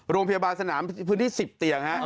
โรงพยาบาลสนามพื้นที่๑๐เตียง